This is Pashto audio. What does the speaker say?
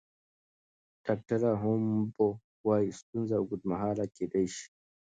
ډاکټره هومبو وايي ستونزې اوږدمهاله کیدی شي.